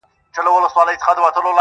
ما ويل څه به ورته گران يمه زه